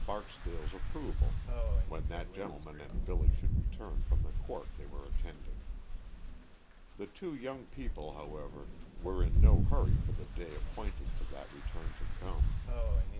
Barksdale's approval when that gentleman and Billy should return from the court they were attending. The two young people, however, were in no hurry for the day appointed for that return to come.